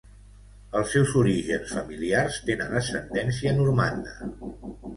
Els seus orígens familiars tenen ascendència normanda.